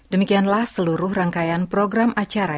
demikianlah seluruh rangkaian program acara